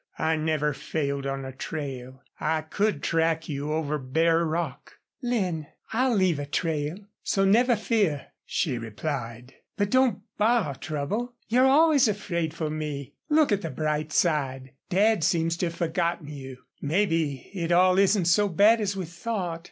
"I never failed on a trail. I could track you over bare rock." "Lin, I'll leave a trail, so never fear," she replied. "But don't borrow trouble. You're always afraid for me. Look at the bright side. Dad seems to have forgotten you. Maybe it all isn't so bad as we thought.